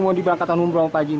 mau diberangkatkan umroh apa lagi